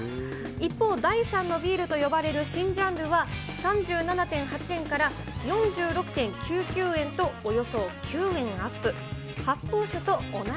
一方、第三のビールと呼ばれる新ジャンルは、３７．８円から４６．９９円とおよそ９円アップ。